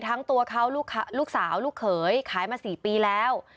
ทั้งตัวเขาลูกสาวลูกเขยขายมา๔ปีแล้ว